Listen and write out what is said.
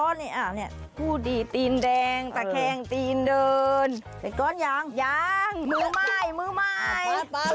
ตัวงัดขึ้นมาจะได้เป็นก้อนแบบนี้